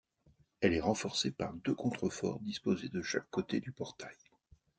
Elle est renforcée par deux contreforts disposés de chaque côté du portail.